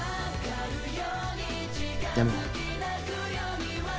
でも。